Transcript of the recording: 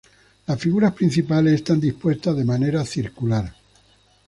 Las figuras principales están dispuestas de manera circular.